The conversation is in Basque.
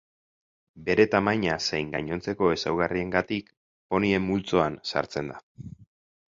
Bere tamaina zein gainontzeko ezaugarriengatik, ponien multzoan sartzen da.